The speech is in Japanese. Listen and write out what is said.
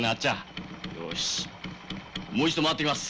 よしもう一度回ってみます。